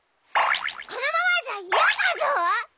このままじゃ嫌だぞ。